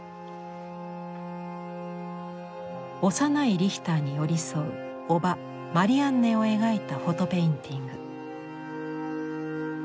幼いリヒターに寄り添う叔母マリアンネを描いた「フォト・ペインティング」。